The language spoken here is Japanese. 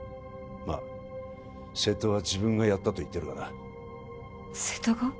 ま瀬戸は自分がやったと言ってるがな瀬戸が？